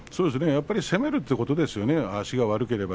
やっぱり攻めるということですよね。